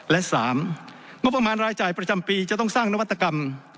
และ๓งบประมาณรายจ่ายประจำปีจะต้องสร้างนวัตกรรม